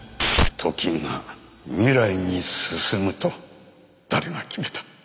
時が未来に進むと誰が決めた？